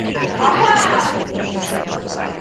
Ahá!